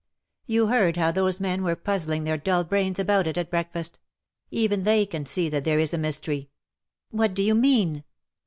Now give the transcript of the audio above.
You heard how those men were puzzling their dull brains about it at breakfast. Even they can see that there is a mystery." " What do you mean